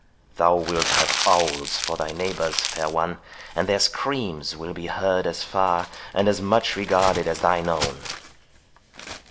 —Thou wilt have owls for thy neighbours, fair one; and their screams will be heard as far, and as much regarded, as thine own.